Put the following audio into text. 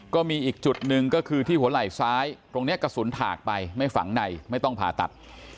ก็มีอีกจุดหนึ่งก็คือที่หัวไหล่ซ้ายตรงนี้กระสุนถากไปไม่ฝังในไม่ต้องผ่าตัด